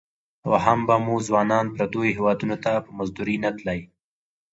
او هم به مو ځوانان پرديو هيوادنو ته په مزدورۍ نه تلى.